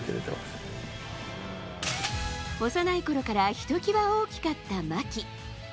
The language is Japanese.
幼いころからひときわ大きかった牧。